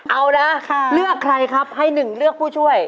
เอานะเลือกใครครับให้หนึ่งเลือกผู้ช่วย